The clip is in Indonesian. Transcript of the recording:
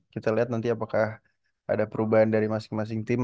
kita lihat nanti apakah ada perubahan dari masing masing tim